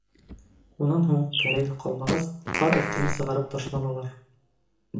Унан һуң, кәрәге ҡалмағас, ҡар өҫтөнә сығарып ташланылар.